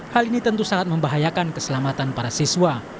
hal ini tentu sangat membahayakan keselamatan para siswa